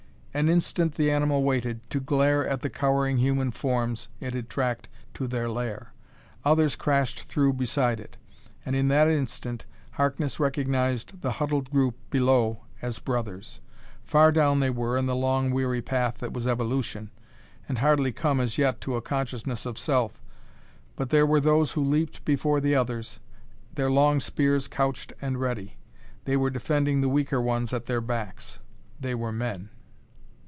An instant the animal waited, to glare at the cowering human forms it had tracked to their lair; others crashed through beside it; and in that instant Harkness recognized the huddled group below as brothers. Far down they were, in the long, weary path that was evolution, and hardly come as yet to a consciousness of self but there were those who leaped before the others, their long spears couched and ready; they were defending the weaker ones at their backs; they were men!